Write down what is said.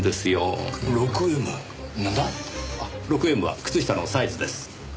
６Ｍは靴下のサイズです。